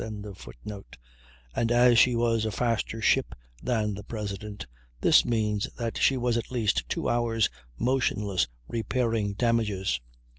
]; and as she was a faster ship than the President, this means that she was at least two hours motionless repairing damages.